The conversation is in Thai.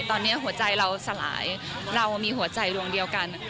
ตอนนี้หัวใจเราสลายเรามีหัวใจดวงเดียวกัน